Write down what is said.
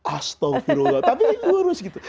astagfirullah tapi lurus gitu